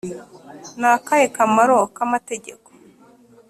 ni akahe kamaro k’amategeko